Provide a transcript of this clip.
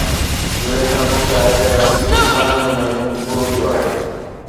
زليخا خوش آهي ته ڪنعان جو مهينو پورو ٿيو آهي